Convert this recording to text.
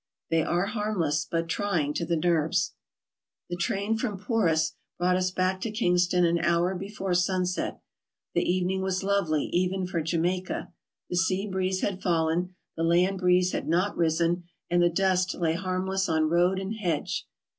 They are harmless, but trying to the nerves. The train from Porus brought us back to Kingston an hour before sunset. The evening was lovely, even for Jamaica. The sea breeze had fallen, the land breeze had not risen, and the dust lay harmless on road and hedge.